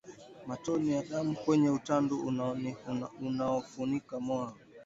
Matone ya damu kwenye utando unaofunika moyo